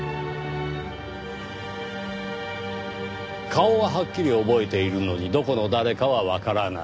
顔ははっきり覚えているのにどこの誰かはわからない。